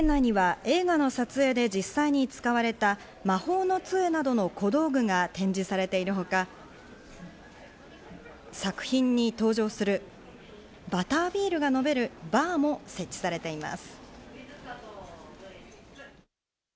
店内には映画の撮影で実際に使われた魔法の杖などの小道具が展示されているほか、作品に登場するバタービールが飲めるバーも設置されています。